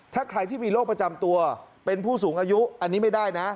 ถ้าใครที่มีโรคประจำตัวเป็นผู้สูงอายุอันนี้ไม่ได้นะ